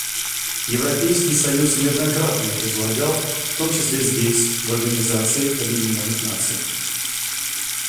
Европейский союз неоднократно их излагал, в том числе здесь, в Организации Объединенных Наций.